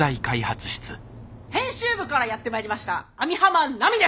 編集部からやって参りました網浜奈美です。